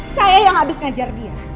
saya yang habis ngajar dia